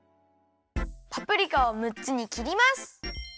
パプリカをむっつに切ります。